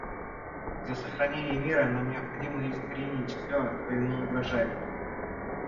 Для сохранения мира нам необходимо искоренить все, что ему угрожает.